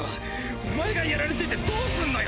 おまえがやられててどすんのよ！